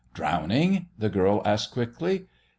"Drowning?" the girl asked quickly.